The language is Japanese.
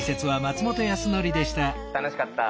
楽しかった。